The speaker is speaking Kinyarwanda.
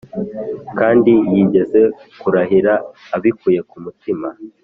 kandi (yigeze kurahira) abikuye ku mutima.